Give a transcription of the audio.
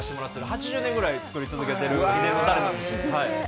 ８０年ぐらい作り続けている秘伝のタレです。